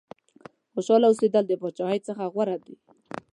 خوشاله اوسېدل د بادشاهۍ څخه غوره دي.